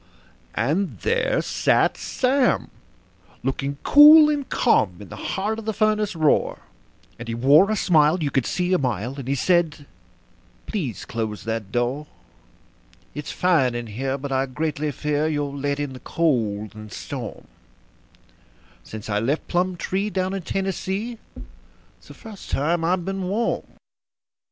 And there sat Sam, looking cool and calm, in the heart of the furnace roar; And he wore a smile you could see a mile, and he said: "Please close that door. It's fine in here, but I greatly fear you'll let in the cold and storm Since I left Plumtree, down in Tennessee, it's the first time I've been warm."